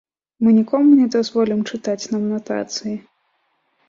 Мы нікому не дазволім чытаць нам натацыі.